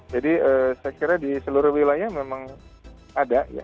jadi saya kira di seluruh wilayah memang ada